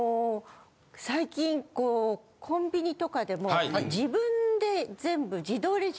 最近こうコンビニとかでも自分で全部自動レジ？